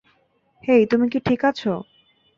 হেই, তুমি কি ঠিক আছো?